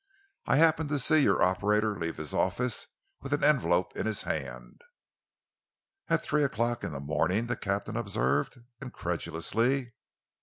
I happened to see your operator leave his office with an envelope in his hand." "At three o'clock in the morning?" the captain observed incredulously.